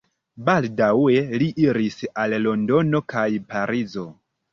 Baldaŭe li iris al Londono kaj Parizo.